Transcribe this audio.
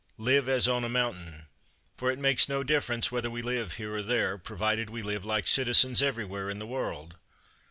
Live as on a mountain. For it makes no difference whether we live here or there, provided we live like citizens everywhere in the world.